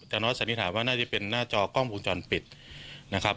น้อยสันนิษฐานว่าน่าจะเป็นหน้าจอกล้องวงจรปิดนะครับ